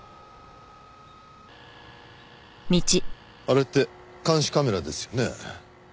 あれって監視カメラですよね？